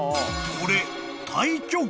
［これ］